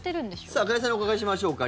さあ、加谷さんにお伺いしましょうか。